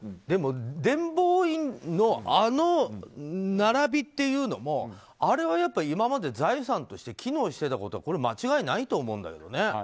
でも、伝法院のあの並びというのもあれは今まで財産として機能してたことは間違いないと思うんだけどね。